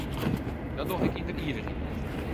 Dat doch ik yn der ivichheid net.